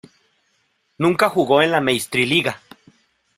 Nunca jugó en la Meistriliiga.